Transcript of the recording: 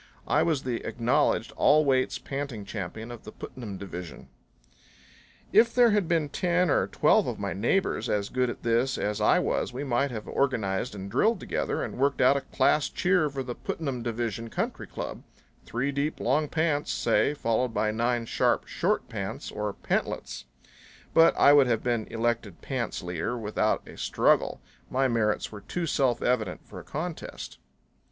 I was the acknowledged all weights panting champion of the Putnam division. [Illustration: TO OBSERVE MR. BRYAN BREAKFASTING IS A SIGHT WORTH SEEING. Page 45] If there had been ten or twelve of my neighbors as good at this as I was we might have organized and drilled together and worked out a class cheer for the Putnam Division Country Club three deep long pants, say, followed by nine sharp short pants or pantlets. But I would have been elected pants leader without a struggle. My merits were too self evident for a contest.